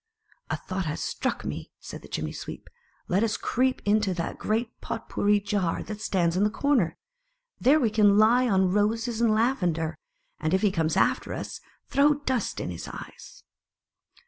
" A thought has struck me," said the Chimney sweep; "let us creep into the great Pot pourri Jar that stands in the corner ; there we can lie on roses and laven der, and if he comes after us, throw dust in his eyes."